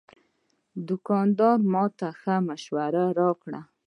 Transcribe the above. دوکاندار ماته ښه مشوره راکړه.